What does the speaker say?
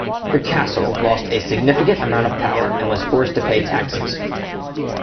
The castle lost a significant amount of power and was forced to pay taxes.